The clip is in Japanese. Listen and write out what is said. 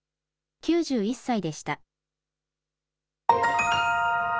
９１歳でした。